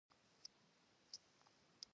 ایا څوک مو د ساتنې لپاره شته؟